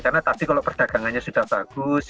karena tapi kalau perdagangannya sudah bagus